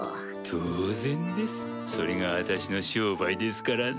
当然ですそれが私の商売ですからなぁ。